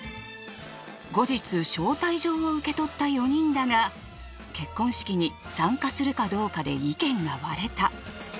後日招待状を受け取った４人だが結婚式に参加するかどうかで意見が割れた。